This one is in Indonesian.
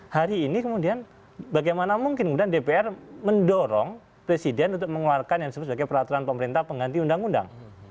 hari ini kemudian bagaimana mungkin kemudian dpr mendorong presiden untuk mengeluarkan yang disebut sebagai peraturan pemerintah pengganti undang undang